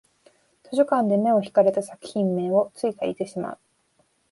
図書館で目を引かれた作品名をつい借りてしまう